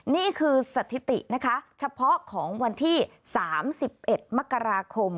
นี่คือสถิตินะคะเฉพาะของวันที่๓๑มกราคม